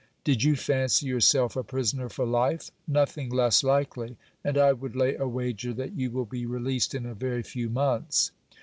Did you fancy yourself a prisoner for life ? Nothing less likely ! and I would lay a wager that you will be released in a very few months.